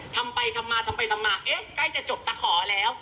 ทำไปทำมาตั้งแต่งใกล้จะจบตะขอแล้ว